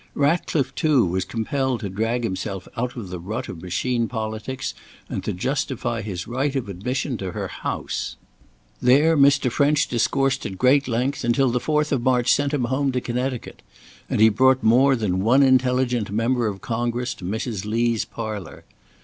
Ratcliffe, too, was compelled to drag himself out of the rut of machine politics, and to justify his right of admission to her house. There Mr. French discoursed at great length, until the fourth of March sent him home to Connecticut; and he brought more than one intelligent member of Congress to Mrs. Lee's parlour.